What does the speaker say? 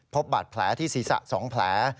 พบบาดแผลที่ศีรษะ๒แผล